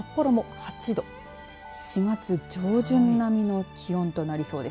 ８度４月上旬並みの気温となりそうです。